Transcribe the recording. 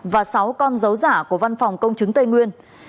và sáu con dấu giả của văn phòng công chứng tây nguyên